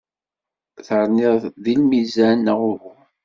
Terniḍ deg lmizan neɣ uhu?